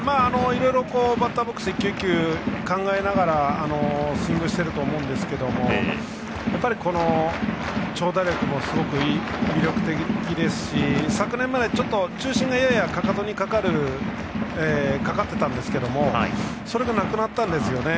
バッターボックスで１球１球考えながらスイングしていると思うんですけどもこの長打力もすごく魅力的ですし昨年まではちょっと重心がかかとにかかっていたんですがそれがなくなったんですよね。